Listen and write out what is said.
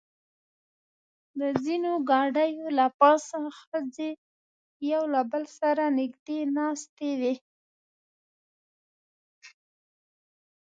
د ځینو ګاډیو له پاسه ښځې یو له بل سره نږدې ناستې وې.